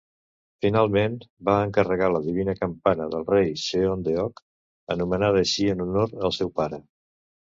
Finalment, va encarregar la Divina Campana del Rei Seongdeok, anomenada així en honor al seu pare.